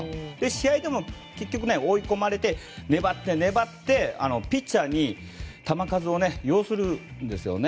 試合でも結局、追い込まれて粘って、粘ってピッチャーに球数を要するんですね。